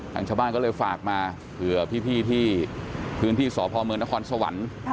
ทางชาวบ้านก็เลยฝากมาเผื่อพี่ที่พื้นที่สพเมืองนครสวรรค์